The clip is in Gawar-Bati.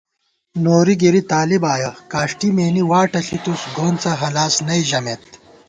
نوری گِری طالب آیَہ ، کاݭٹی مېنی واٹہ ݪِتُوس گونڅہ ہلاس نئ ژمېت